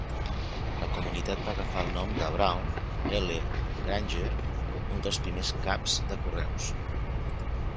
La comunitat va agafar el nom de Brown L. Granger, un dels primers caps de correus.